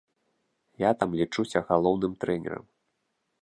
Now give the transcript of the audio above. Я там лічуся галоўным трэнерам.